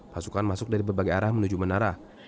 pasukan masuk dari berbagai arah menuju menara